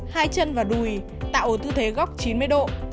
hai chân và đùi tạo ở tư thế góc chín mươi độ